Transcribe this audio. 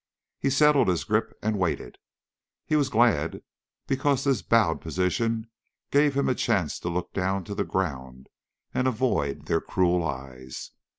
He settled his grip and waited. He was glad because this bowed position gave him a chance to look down to the ground and avoid their cruel eyes.